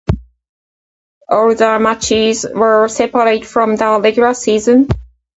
All the matches were separate from the regular season.